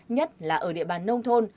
nhất là ở địa bàn nông thôn